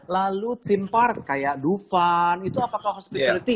lalu theme park kayak duvan itu apakah hospitality